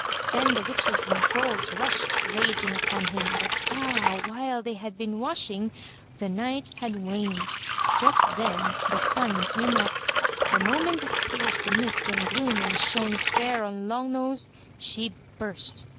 Then the witches and trolls rushed raging upon him, but ah! while they had been washing, the night had waned. Just then the sun came up. The moment it pierced the mist and gloom and shone fair on Long nose she burst.